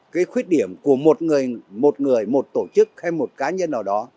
cái khuyết điểm của một người một người một tổ chức hay một cá nhân nào đó